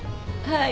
はい。